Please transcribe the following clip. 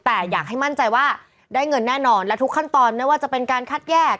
แต่อยากให้มั่นใจว่าได้เงินแน่นอนและทุกขั้นตอนไม่ว่าจะเป็นการคัดแยก